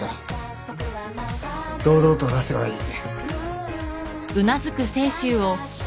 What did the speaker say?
堂々と出せばいい。